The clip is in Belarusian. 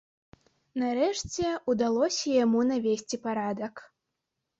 Нарэшце ўдалося яму навесці парадак.